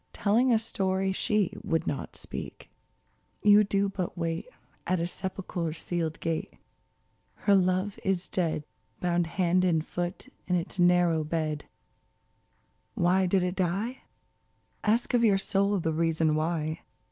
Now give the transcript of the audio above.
Telling a story she would not speak ! You do but wait At a sepulchre's sealed gate ! Her love is dead. Bound hand and foot in its narrow bed. 46 ONCE Why did it die ? Ask of your soul the reason why